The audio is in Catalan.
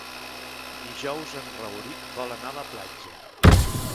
Dijous en Rauric vol anar a la platja.